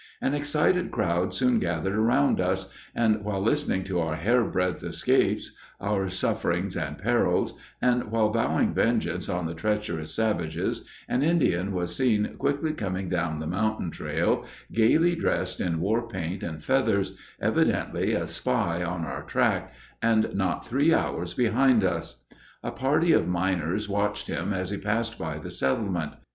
An excited crowd soon gathered around us and while listening to our hair breadth escapes, our sufferings and perils, and while vowing vengeance on the treacherous savages, an Indian was seen quickly coming down the mountain trail, gaily dressed in war paint and feathers, evidently a spy on our track, and not three hours behind us. A party of miners watched him as he passed by the settlement.